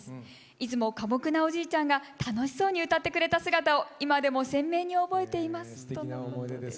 いつも寡黙なおじいちゃんが楽しそうに歌ってくれた姿を今でも鮮明に覚えています。